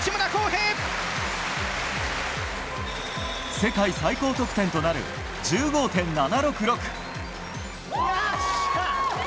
世界最高得点となる１５．７６６。